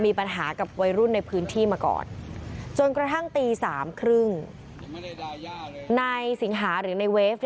มีปัญหากับวัยรุ่นในพื้นที่มาก่อนจนกระทั่งตี๓๓๐นายสิงหาหรือในเวฟ